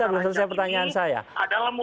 mengusulkan apa yang kami